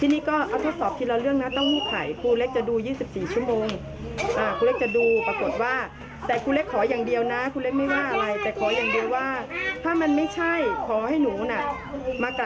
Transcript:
มากราบกรุงภูมิได้ไหม